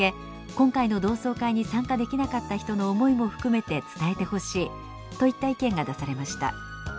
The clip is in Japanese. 今回の同窓会に参加できなかった人の思いも含めて伝えてほしい」といった意見が出されました。